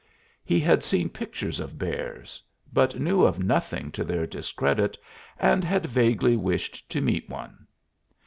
He had seen pictures of bears, but knew of nothing to their discredit and had vaguely wished to meet one.